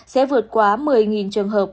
sẽ vượt qua một mươi trường hợp